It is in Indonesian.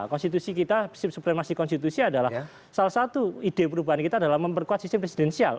konstitusi kita prinsip supremasi konstitusi adalah salah satu ide perubahan kita adalah memperkuat sistem presidensial